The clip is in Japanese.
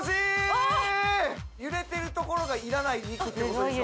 ああ揺れてるところがいらない肉ってことでしょ？